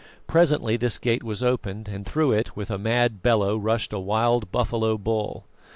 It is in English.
Presently this gate was opened, and through it, with a mad bellow, rushed a wild buffalo bull.